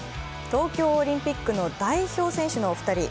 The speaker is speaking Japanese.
東京オリンピックの代表選手のお二人。